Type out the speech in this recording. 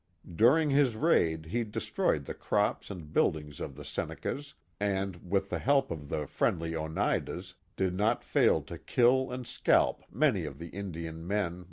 During his raid he destroyed the crops and buildings of the Senecas, and, with the help o( the friendly Oncidas, did not fail to kill and scalp many of the Indian men.